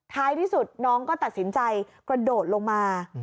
ท้ายที่สุดน้องก็ตัดสินใจกระโดดลงมา